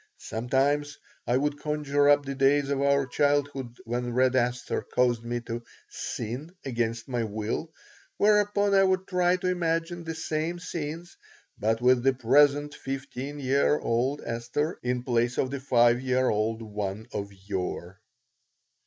Sometimes I would conjure up the days of our childhood when Red Esther caused me to "sin" against my will, whereupon I would try to imagine the same scenes, but with the present fifteen year old Esther in place of the five year old one of yore.